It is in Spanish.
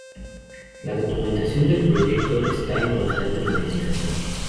La documentación del proyecto está en constante modificación.